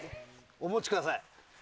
お持ちください。